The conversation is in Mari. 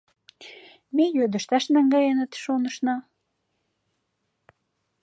Ме йодышташ наҥгаеныт, шонышна.